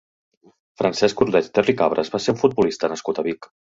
Francesc Ordeig Terricabres va ser un futbolista nascut a Vic.